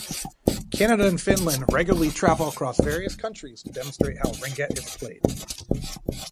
Canada and Finland regularly travel across various countries to demonstrate how ringette is played.